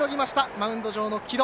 マウンド上の城戸。